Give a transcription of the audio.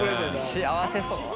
幸せそう。